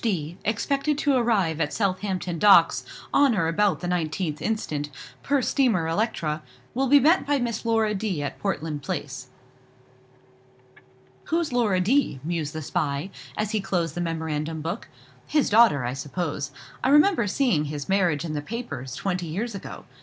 D., expected to arrive at Southampton Docks on or about the 19th inst., per steamer_ Electra; will be met by Miss Laura D. at Portland Place." "Who's Laura D.?" mused the spy, as he closed the memorandum book. "His daughter, I suppose. I remember seeing his marriage in the papers, twenty years ago.